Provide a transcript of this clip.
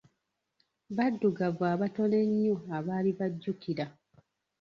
Baddugavu abatono ennyo abaali bajjukira.